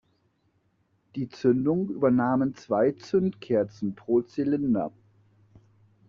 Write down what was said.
Die Zündung übernahmen zwei Zündkerzen pro Zylinder.